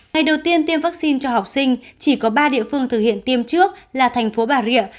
ngày đầu tiên tiêm vaccine cho học sinh chỉ có ba địa phương thực hiện tiêm trước là thành phố bà rịa